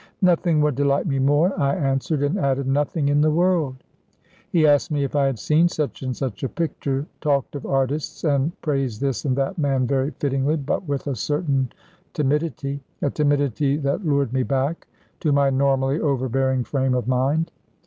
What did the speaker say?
"Nothing would delight me more," I answered, and added, "nothing in the world." He asked me if I had seen such and such a picture, talked of artists, and praised this and that man very fittingly, but with a certain timidity a timidity that lured me back to my normally overbearing frame of mind.